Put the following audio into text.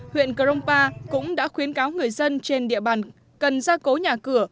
huyện cờ rông pa cũng đã khuyến cáo người dân trên địa bàn cần ra cố nhà cửa